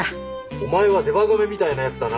お前は出歯亀みたいなやつだな。